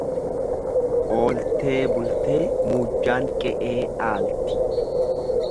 Ooltee bultee muujjaan qe'ee dhaalti.